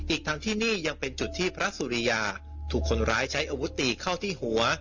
อีกทั้งที่นี่ยังเป็นจุดที่พระสุริยาถูกคนร้ายใช้อาวุธตีเข้าที่หัว